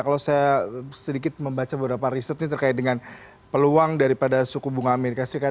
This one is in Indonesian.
kalau saya sedikit membaca beberapa riset ini terkait dengan peluang daripada suku bunga amerika serikat